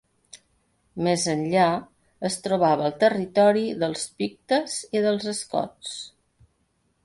Més enllà es trobava el territori dels pictes i dels escots.